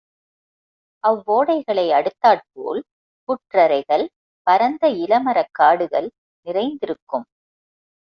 அவ்வோடைகளை அடுத்தாற்போல் புற்றரைகள், பரந்த இளமரக்காடுகள் நிறைந்திருக்கும்.